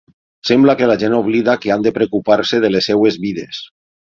Sembla que la gent oblida que han de preocupar-se de les seves vides.